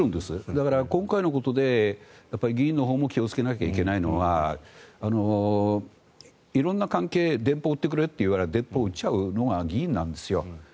だから、今回のことで議員のほうも気をつけないといけないのは色んな関係電報を打ってくれと言われたら電報を打っちゃうのが議員なんです。